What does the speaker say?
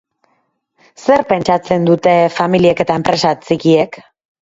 Zer pentsatzen dute familiek eta enpresa txikiek?